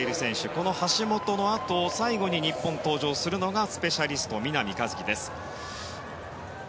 この橋本のあと最後に日本、登場するのがスペシャリストの南一輝です。